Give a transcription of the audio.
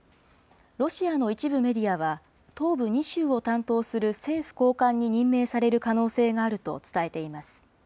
ロシアの一部メディアは、東部２州を担当する政府高官に任命される可能性があると伝えています。